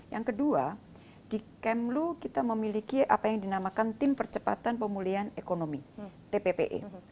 yang kedua di kemlu kita memiliki apa yang dinamakan tim percepatan pemulihan ekonomi tppe